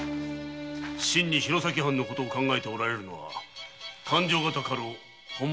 真に弘前藩のことを考えているのは勘定方家老・本間殿だ。